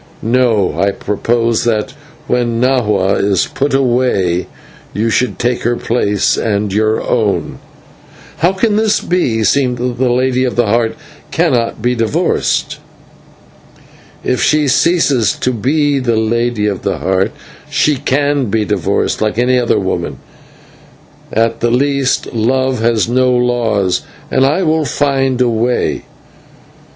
"No, I propose that when Nahua is put away you should take her place and your own." "How can this be, seeing that the Lady of the Heart cannot be divorced?" "If she ceases to be the Lady of the Heart she can be divorced like any other woman; at the least, love has no laws, and I will find a way."